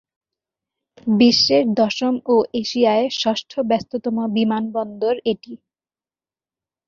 বিশ্বের দশম ও এশিয়ায় ষষ্ঠ ব্যস্ততম বিমানবন্দর এটি।